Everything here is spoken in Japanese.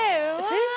先生